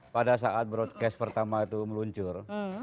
pada saat broadcast pertama itu meluncur